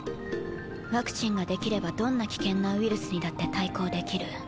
ワクチンが出来ればどんな危険なウイルスにだって対抗できる。